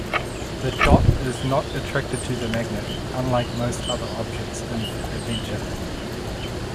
The dot is not attracted to the magnet, unlike most other objects in "Adventure".